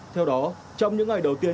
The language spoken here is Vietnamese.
theo đó trong những ngày đầu tiên